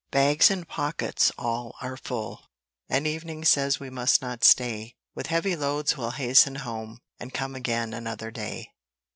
Bags and pockets all are full, And evening says we must not stay; With heavy loads we'll hasten home, And come again another day.